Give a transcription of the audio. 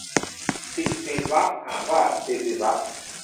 ศิศิร อ่านว่า สิสิระ